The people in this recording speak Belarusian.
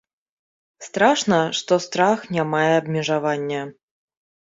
Страшна, што страх не мае абмежавання.